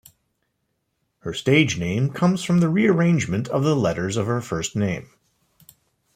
Her stage name comes from the rearrangement of the letters of her first name.